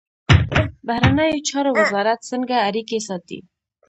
بهرنیو چارو وزارت څنګه اړیکې ساتي؟